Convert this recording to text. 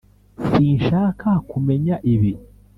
sinshaka kumenya ibi.